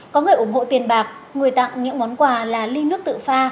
có người ủng hộ tiền bạc người tặng những món quà là ly nước tự pha